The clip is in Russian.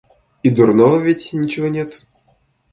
И дурного ведь ничего нет.